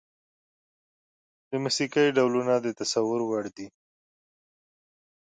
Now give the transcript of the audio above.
د موسيقي ډولونه د تصور وړ دي.